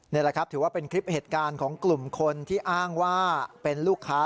นี่แหละครับถือว่าเป็นคลิปเหตุการณ์ของกลุ่มคนที่อ้างว่าเป็นลูกค้า